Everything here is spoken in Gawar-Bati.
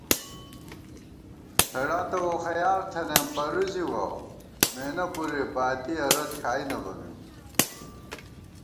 ہېڑا تہ ووخَیار تھنَئیم پرُوزِؤ ، مېنہ پُرے باتِیَہ رت کھائی نہ بَمېم